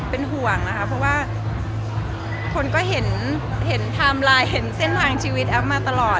ไม่ห่วงนะครับเพราะว่าคนก็เห็นเซ่นทางชีวิตแอฟมาตลอด